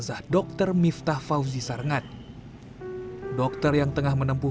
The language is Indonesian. saat mobil ambulans yang membawa jenazah